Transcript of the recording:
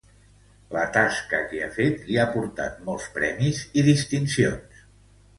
La tasca que ha fet li ha portat molts premis i distincions.